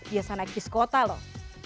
biasanya kis kota loh